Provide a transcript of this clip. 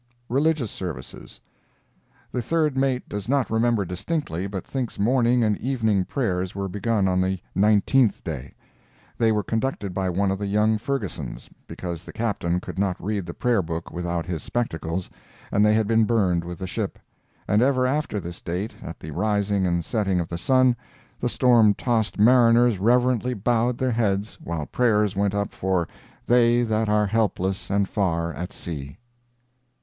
RELIGIOUS SERVICES The third mate does not remember distinctly, but thinks morning and evening prayers were begun on the nineteenth day. They were conducted by one of the young Fergusons, because the Captain could not read the prayer book without his spectacles, and they had been burned with the ship. And ever after this date, at the rising and the setting of the sun, the storm tossed mariners reverently bowed their heads while prayers went up for "they that are helpless and far at sea."